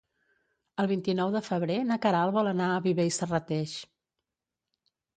El vint-i-nou de febrer na Queralt vol anar a Viver i Serrateix.